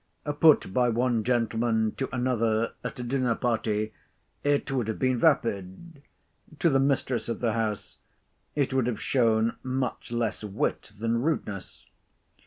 Put by one gentleman to another at a dinner party, it would have been vapid; to the mistress of the house, it would have shown much less wit than rudeness.